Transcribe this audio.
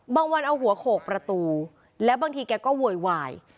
วันเอาหัวโขกประตูแล้วบางทีแกก็โวยวาย